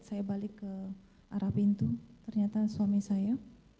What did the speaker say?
saya balik ke arah pintu ternyata suami saya